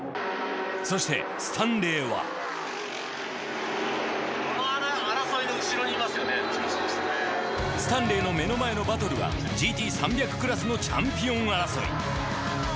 そしてスタンレーはスタンレーの目の前のバトルはＧＴ３００クラスのチャンピオン争い。